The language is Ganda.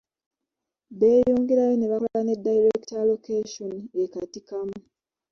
Beeyongerayo ne bakola ne ‘Direct Allocation' e Katikamu.